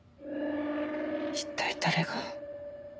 一体誰が。